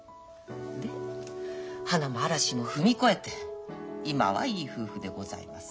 で花も嵐も踏み越えて今はいい夫婦でございます。